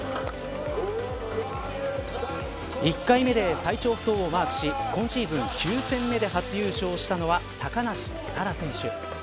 １回目で最長不倒をマークし今シーズン９戦目で初優勝したのは高梨沙羅選手。